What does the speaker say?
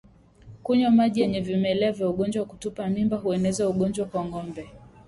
Kunywa maji yenye vimelea vya ugonjwa wa kutupa mimba hueneza ugonjwa kwa ngombe